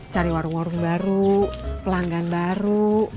cari warung warung baru pelanggan baru